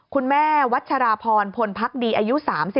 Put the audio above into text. คุณแม่วัชรพรพลพักดีอายุ๓๘